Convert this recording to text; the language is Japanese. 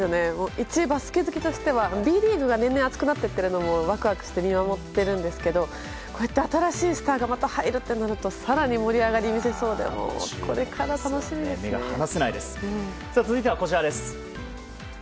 一バスケ好きとしてはＢリーグが年々熱くなっているのをワクワクして見守っていますがこうして新しいスターがまた入るとなると更に盛り上がりを見せそうで続いてはこちらです。